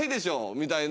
みたいな。